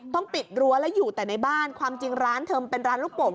ต้องปิดรั้วแล้วอยู่แต่ในบ้านความจริงร้านเธอมันเป็นร้านลูกโป่ง